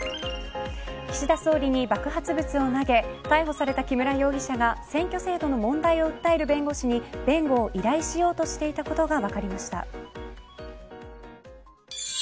岸田総理に爆発物を投げ逮捕された木村容疑者が選挙制度の問題を訴える弁護士に弁護を依頼していようとしていたことが分かりました。